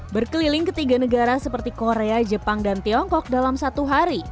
berkeliling ketiga negara seperti korea jepang dan tiongkok dalam satu hari